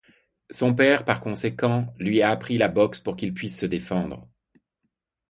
Son père, par conséquent, lui a appris la boxe pour qu'il puisse se défendre.